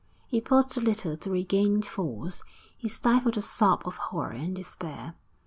He paused a little to regain force; he stifled a sob of horror and despair.